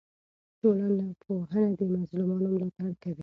ټولنپوهنه د مظلومانو ملاتړ کوي.